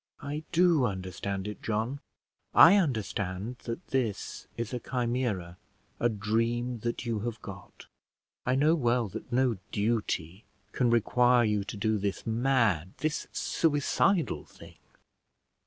"I do understand it, John. I understand that this is a chimera, a dream that you have got. I know well that no duty can require you to do this mad this suicidal thing.